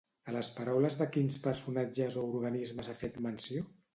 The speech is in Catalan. A les paraules de quins personatges o organismes ha fet menció?